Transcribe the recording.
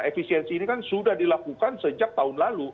efisiensi ini kan sudah dilakukan sejak tahun lalu